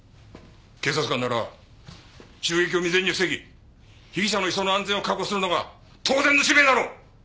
警察官なら襲撃を未然に防ぎ被疑者の移送の安全を確保するのが当然の使命だろ！